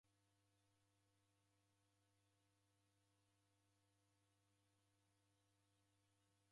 W'eko na irumirio w'ibonyagha nicha matuku gha imbiri.